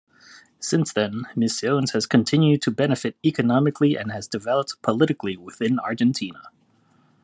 Since then, Misiones has continued to benefit economically and has developed politically within Argentina.